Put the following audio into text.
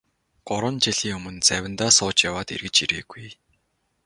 Гурван жилийн өмнө завиндаа сууж яваад эргэж ирээгүй.